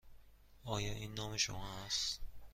آیا این نام شما است؟